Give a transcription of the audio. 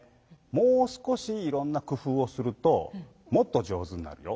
もう少しいろんなくふうをするともっと上手になるよ。